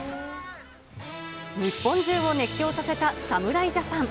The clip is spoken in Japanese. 日本中を熱狂させた侍ジャパン。